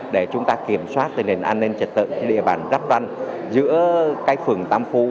để chúng ta kiểm soát tình hình an ninh trật tự địa bàn rắp răn giữa cái phường tam phú